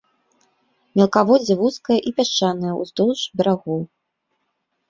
Мелкаводдзе вузкае і пясчанае ўздоўж берагоў.